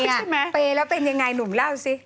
ใช่ไหมเปย์แล้วเป็นยังไงหนุ่มเล่าสิ